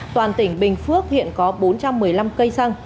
toàn tỉnh bình phước hiện có bốn trăm một mươi năm cây xăng